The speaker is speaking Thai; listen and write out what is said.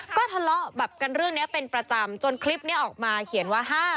ก็ทะเลาะแบบกันเรื่องนี้เป็นประจำจนคลิปนี้ออกมาเขียนว่า